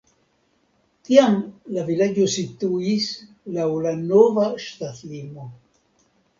Tiam la vilaĝo situis laŭ la nova ŝtatlimo.